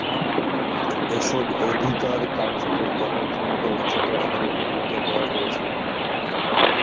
এসব অধিকার কার্যকর করার ক্ষমতা উচ্চতর আদালতগুলোকে দেয়া হয়েছে।